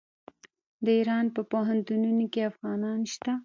د ایران په پوهنتونونو کې افغانان شته.